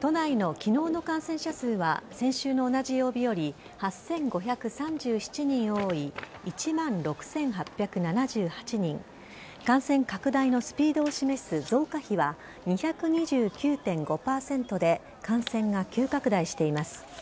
都内の昨日の感染者数は先週の同じ曜日より８５３７人多い１万６８７８人感染拡大のスピードを示す増加比は２２９．５％で感染が急拡大しています。